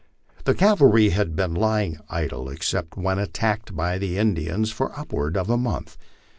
The cavalry had been lying idle, except when attacked by the Indians, for upward of a month.